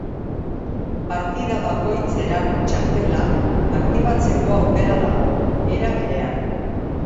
Partida bakoitzerako txartela aktibatzeko aukera dago, era berean.